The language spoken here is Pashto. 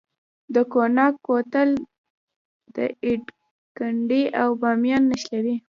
د قوناق کوتل دایکنډي او بامیان نښلوي